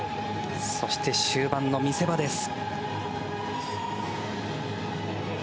そして終盤の見せ場です。